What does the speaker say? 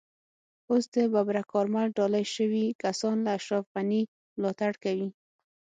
اوس د ببرک کارمل ډالۍ شوي کسان له اشرف غني ملاتړ کوي.